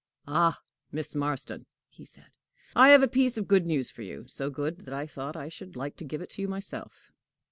"Ah, Miss Marston!" he said; "I have a piece of good news for you so good that I thought I should like to give it you myself."